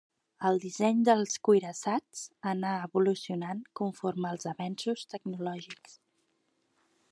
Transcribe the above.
El disseny dels cuirassats anà evolucionant conforme els avenços tecnològics.